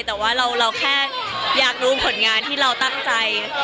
แต่ว่าเราแค่อยากรู้ผลงานที่เราตั้งใจ